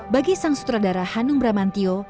bagi sang sutradara hanung bramantio